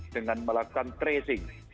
dengan melakukan tracing